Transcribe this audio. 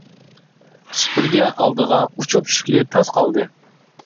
سۈپۈرگە ئالدىغا ئۇچۇپ چۈشكىلى تاس قالدى.